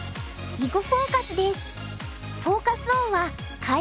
「囲碁フォーカス」です。